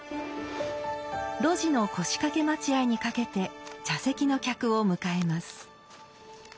露地の腰掛待合にかけて茶席の客を迎えます。